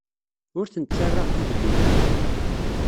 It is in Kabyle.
Ur ten-ttarraɣ d igellilen.